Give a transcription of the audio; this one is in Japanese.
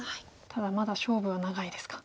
ただまだ勝負は長いですか。